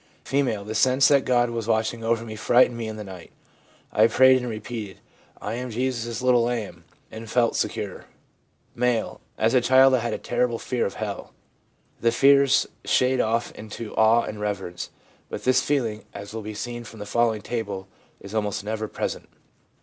F. 'The sense that God was watching over me frightened me in the night. I prayed and repeated, " I am Jesus' little lamb," and felt secure.' M. ( Asa child I had a terrible fear of hell.' The fears shade off into awe and reverence, but this feel ing, as will be seen from the following table, is almost never present.